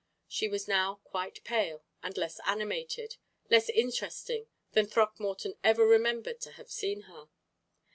She was now quite pale, and less animated, less interesting, than Throckmorton ever remembered to have seen her.